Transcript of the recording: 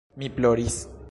Mi ploris.